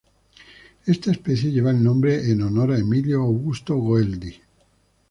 Esta especie lleva el nombre en honor a Emílio Augusto Goeldi.